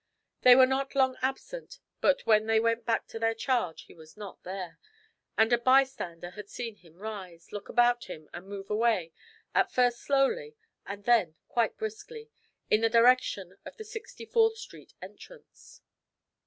They were not long absent, but when they went back to their charge he was not there, and a bystander had seen him rise, look about him, and move away, at first slowly and then quite briskly, in the direction of the Sixty fourth Street entrance.